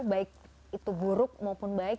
baik itu buruk maupun baik